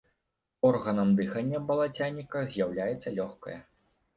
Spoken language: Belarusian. Органам дыхання балацяніка з'яўляецца лёгкае.